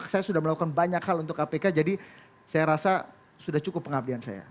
saya sudah melakukan banyak hal untuk kpk jadi saya rasa sudah cukup pengabdian saya